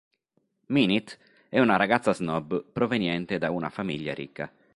Minute è una ragazza snob proveniente da una famiglia ricca.